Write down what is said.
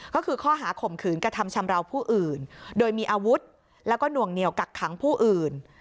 ก็คือข้อหาข่มขืนกระทำชำราวผู้อื่นโดยมีอาวุธแล้วก็หน่วงเหนียวกักขังผู้อื่น